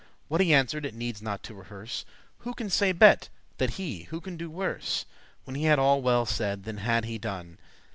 What he answer'd, it needs not to rehearse; Who can say bet* than he, who can do worse? *better When he had all well said, then had he done.